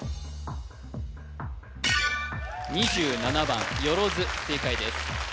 番よろず正解です